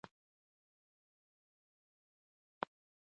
د الله تعالی په حمد ويلو سره بنده ته په جنت کي وَنه ناليږي